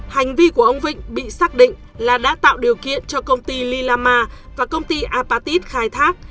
hành vi của ông vịnh bị xác định là đã tạo điều kiện cho công ty lilama và công ty apatit khai thác